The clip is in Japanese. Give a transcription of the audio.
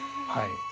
はい。